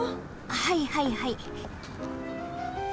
はいはいはい。